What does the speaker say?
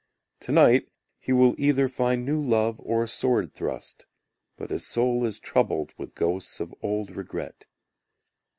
Tonight he will either find new love or a sword thrust, But his soul is troubled with ghosts of old regret.